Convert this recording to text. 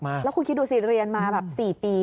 แล้วคุณคิดดูสิเรียนมาแบบ๔ปี